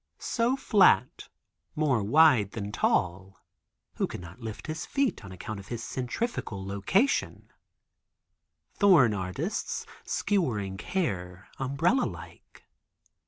So flat; more wide than tall, who cannot lift his feet on account of his centrifugal location; thorn artists; skewering hair, umbrella like.